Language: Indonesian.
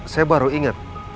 saya baru ingat